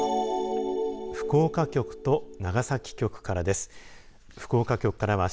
福岡局と長崎局からです。